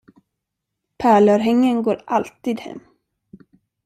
Pärlörhängen går alltid hem.